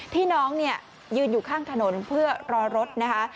ที่น้องยืนอยู่ข้างถนนเพื่อรอรถนะคะ